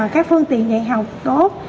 các phương tiện dạy học tốt